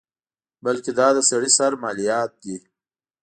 بلکې دا د سړي سر مالیات دي.